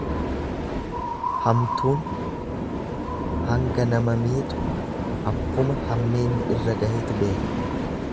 Hamtuun hanga nama miitu abbuma hammeenyi irra gahetu beeka.